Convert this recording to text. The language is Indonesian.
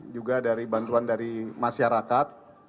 juga dari bantuan dari masyarakat